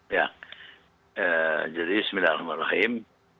ya jadi bismillahirrahmanirrahim